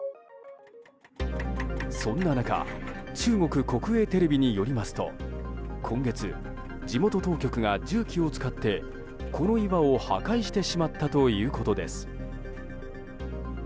そんな中中国国営テレビによりますと今月、地元当局が重機を使ってこの岩を破壊してしまったということです。